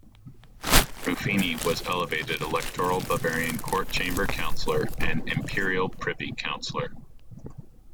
Ruffini was elevated Electoral Bavarian Court Chamber Councillor and Imperial Privy Councillor.